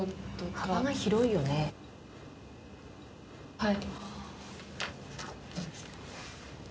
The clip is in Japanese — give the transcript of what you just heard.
はい。